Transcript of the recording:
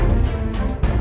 aku akan mencari cherry